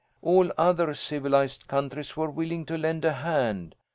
All other civilised countries were willing to lend a hand.